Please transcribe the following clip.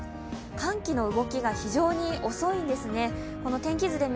寒気の動きが非常に遅いんですね。